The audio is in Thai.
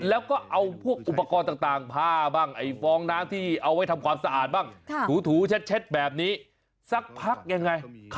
แล้วก็เอาพวกอุปกรณ์ต่างผ้าบ้างไอฟองน้ำที่เอาไว้ทำความสะอาดบ้าง